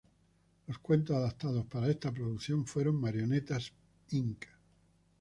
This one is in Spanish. Los cuentos adaptados para esta producción fueron "Marionetas, Inc.